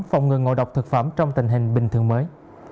phòng ngừa ngộ độc thực phẩm trong tình hình bình thường mới